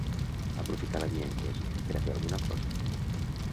Aprofitar l'avinentesa per a fer alguna cosa.